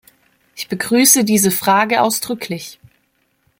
Ich begrüße diese Frage ausdrücklich.